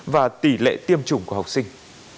và tỷ lệ tiêm chủng của học sinh